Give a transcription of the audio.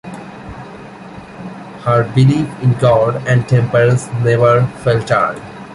Her belief in God and temperance never faltered.